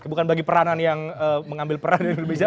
bukan bagi peranan yang mengambil peran lebih jauh